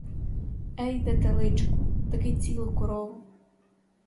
Ей де теличку — таки цілу корову!